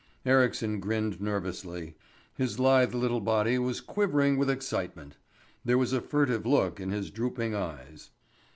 Ericsson grinned nervously. His lithe little body was quivering with excitement. There was a furtive look in his drooping eyes.